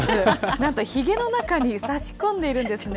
なんとひげの中に差し込んでいるんですね。